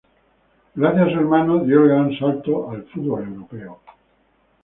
Gracias a su hermano dio el gran salto al fútbol europeo.